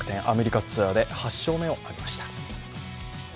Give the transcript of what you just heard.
アメリカツアーで８勝目を挙げました。